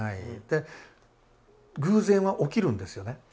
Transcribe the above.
で偶然は起きるんですよね。